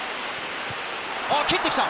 蹴ってきた！